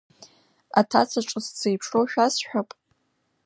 Аҭаца ҿыц дзеиԥшроу шәасҳәап?